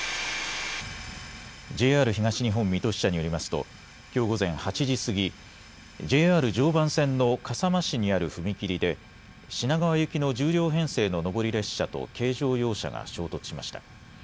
ＪＲ東日本水戸支社によりますときょう午前８時過ぎＪＲ常磐線の笠間市にある踏切で品川行きの１０両編成の上り列車と軽乗用車が衝突しました。